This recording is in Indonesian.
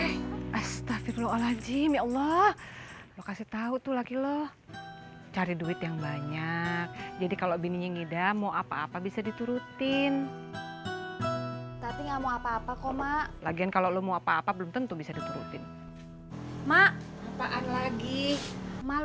nah irdah dari musim mu sexif gelap anaknya folding sama dabusnya body yg pompa sebetulnya